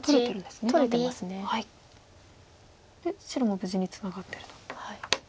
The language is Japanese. で白も無事にツナがってると。